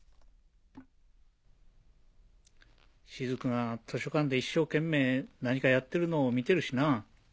雫が図書館で一生懸命何かやってるのを見てるしなぁ。